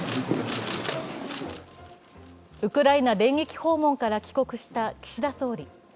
ウクライナ電撃訪問から帰国した岸田総理。